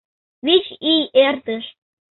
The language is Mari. Вич ий эртыш.